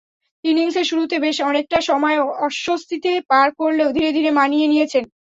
ইনিংসের শুরুতে বেশ অনেকটা সময় অস্বস্তিতে পার করলেও ধীরে ধীরে মানিয়ে নিয়েছেন।